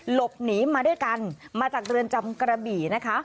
หลบหนีมาด้วยกันมาจากเรือนจำกระบี่นะคะ